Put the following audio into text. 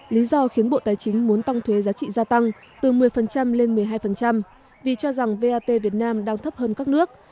lý do khiến bộ tài chính muốn tăng thuế giá trị gia tăng từ một mươi lên một mươi hai vì cho rằng vat việt nam đang thấp hơn các nước